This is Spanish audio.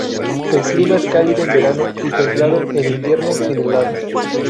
El clima es cálido en verano y templado en invierno sin heladas.